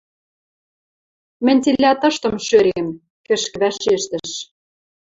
— Мӹнь цилӓ тыштым шӧрем, — кӹшкӹ вӓшештӹш.